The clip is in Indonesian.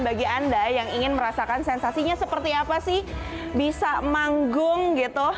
bagi anda yang ingin merasakan sensasinya seperti apa sih bisa manggung gitu